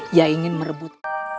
dia ingin merebut